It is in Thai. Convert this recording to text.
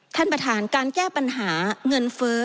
ท่านประธานการแก้ปัญหาเงินเฟ้อ